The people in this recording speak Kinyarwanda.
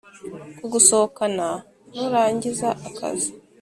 kugusohokana nurangiza akazi